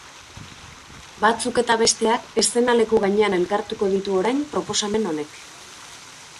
Batzuk eta besteak eszenaleku gainean elkartuko ditu orain proposamen honek.